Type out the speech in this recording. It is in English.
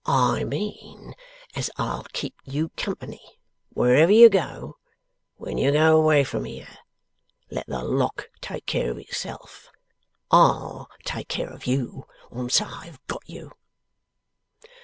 'I mean as I'll keep you company, wherever you go, when you go away from here. Let the Lock take care of itself. I'll take care of you, once I've got you.